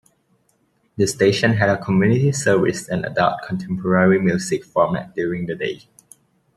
The station had a community service and adult contemporary music format during the day.